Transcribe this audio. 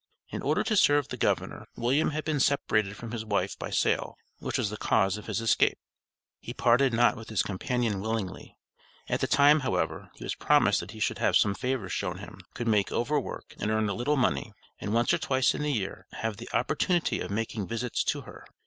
In order to serve the governor, William had been separated from his wife by sale, which was the cause of his escape. He parted not with his companion willingly. At the time, however, he was promised that he should have some favors shown him; could make over work, and earn a little money, and once or twice in the year, have the opportunity of making visits to her.